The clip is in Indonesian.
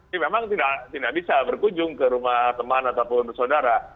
ini memang tidak bisa berkunjung ke rumah teman ataupun bersaudara